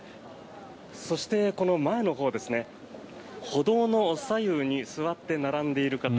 そして、この前のほう歩道の左右に座って並んでいる方。